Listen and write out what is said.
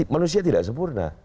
manusia tidak sempurna